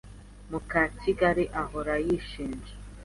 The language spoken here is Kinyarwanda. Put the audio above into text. Mukakigali ahora yishinja.